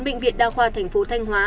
bệnh viện đa khoa tp thanh hóa